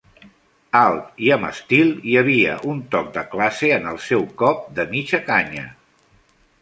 Alt i amb estil, hi havia un toc de classe en el seu cop de mitja canya.